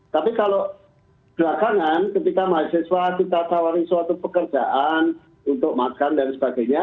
tapi kalau belakangan ketika mahasiswa kita tawari suatu pekerjaan untuk makan dan sebagainya